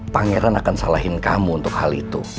pangeran akan salahin kamu untuk hal itu